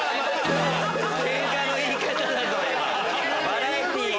バラエティー！